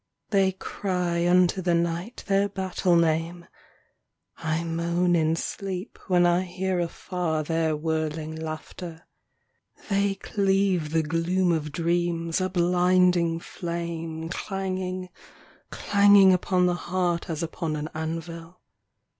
They cry unto the night their battle name : I moan in sleep when I hear afar their whirling laughter. They cleave the gloom of dreams, a blinding flame, Clanging, clanging upon the heart as upon an anvil.